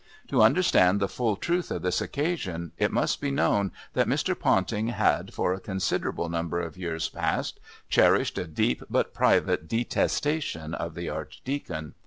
To understand the full truth of this occasion it must be known that Mr. Ponting had, for a considerable number of years past, cherished a deep but private detestation of the Archdeacon.